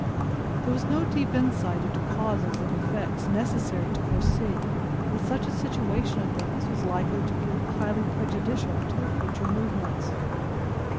There was no deep insight into causes and effects necessary to foresee that such a situation of things was likely to prove highly prejudicial to their future movements.